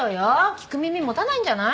聞く耳持たないんじゃない？